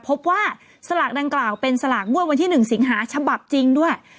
พบว่าสลากดังกล่าวเป็นสลากงวดวันที่๑สิงหาฉบับจริงด้วย